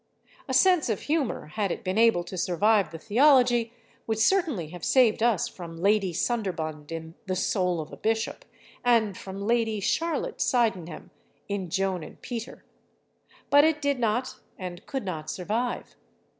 A sense of humor, had it been able to survive the theology, would certainly have saved us from Lady Sunderbund, in "The Soul of a Bishop," and from Lady Charlotte Sydenham in "Joan and Peter." But it did not and could not survive.